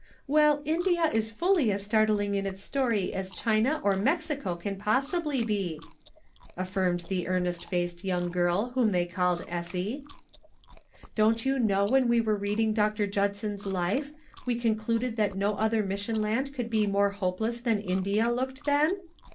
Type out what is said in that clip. " Well, India, is fully as startling in its story as China or Mexico can possibly be," affirmed the earnest faced young girl whom they called Essie. " Don't you know when we were reading Dr. Judson's life we concluded that no other mission land could be more hopeless than India looked then?